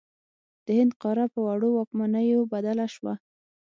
د هند قاره په وړو واکمنیو بدله شوه.